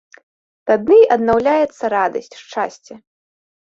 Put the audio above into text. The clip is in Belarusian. Тады аднаўляецца радасць, шчасце.